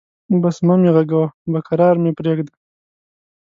بس مه مې غږوه، به کرار مې پرېږده.